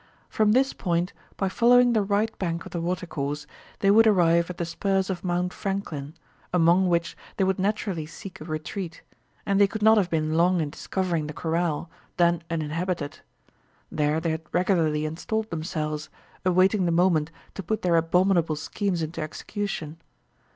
From this point, by following the right bank of the watercourse, they would arrive at the spurs of Mount Franklin, among which they would naturally seek a retreat, and they could not have been long in discovering the corral, then uninhabited. There they had regularly installed themselves, awaiting the moment to put their abominable schemes into execution.